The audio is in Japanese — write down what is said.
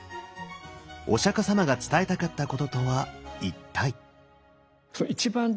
お釈様が伝えたかったこととは一体？